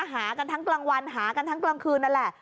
หากันทั้งกลางวันหากันทั้งกลางคืนนั่นแหละ